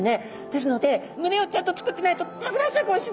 ですので群れをちゃんとつくってないと食べられちゃうかもしんない。